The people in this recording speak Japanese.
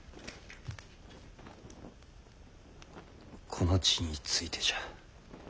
この地についてじゃ。